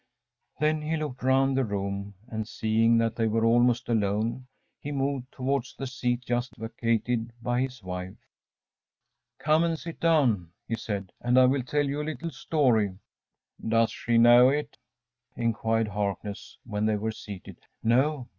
‚ÄĚ Then he looked round the room, and, seeing that they were almost alone, he moved towards the seat just vacated by his wife. “Come and sit down,‚ÄĚ he said, “and I will tell you a little story.‚ÄĚ “Does she know it?‚ÄĚ enquired Harkness, when they were seated. “No.